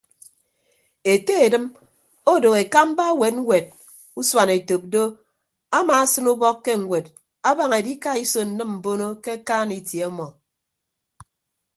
Ete edịm odooho ekamba ewet ñwet usuanetop do amaasịn ubọk ke ñwed abaña edikaiso nnịm mbono ke akaan itie ọmọ.